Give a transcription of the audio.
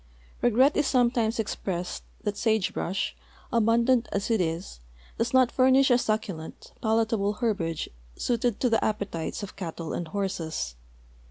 Regret is sometimes exj>ressed that sagebrush, almndant as it is, does not furnish a succulent, palatable herbage suited to the ap})etites of eattle and horses.